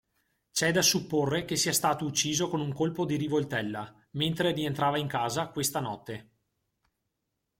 C'è da supporre che sia stato ucciso con un colpo di rivoltella, mentre rientrava in casa, questa notte.